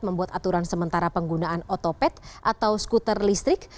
membuat aturan sementara penggunaan otopet atau skuter listrik